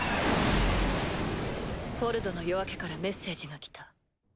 「フォルドの夜明け」からメッセージが来た。